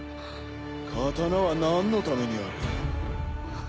刀はなんのためにある？